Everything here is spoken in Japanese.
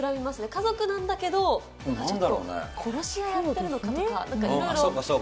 家族なんだけど、ちょっと殺し屋やってるのかなとか、ちょっといろいろ。